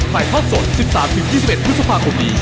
ถ่ายทอดสด๑๓๒๑พฤษภาคมนี้